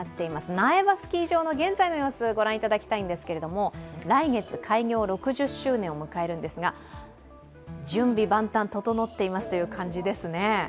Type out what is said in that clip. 苗場スキー場の現在の様子、御覧いただきたいんですが、来月開業６０周年を迎えるんですが、準備万端整っていますという感じですね。